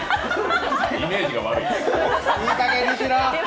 イメージが悪い。